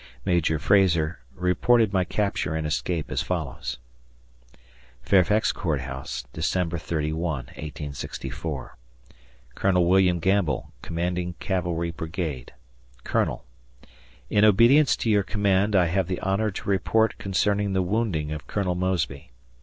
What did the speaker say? Major Frazar reported my capture and escape as follows: Fairfax Court House, December 31, 1864. Colonel William Gamble, Commanding Cavalry Brigade, Colonel: In obedience to your command, I have the honor to report concerning the wounding of Colonel Mosby.